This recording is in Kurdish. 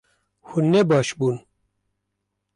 Hûn ne baş bûn